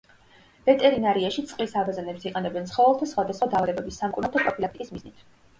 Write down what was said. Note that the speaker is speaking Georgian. ვეტერინარიაში წყლის აბაზანებს იყენებენ ცხოველთა სხვადსახვა დაავადების სამკურნალოდ და პროფილაქტიკის მიზნით.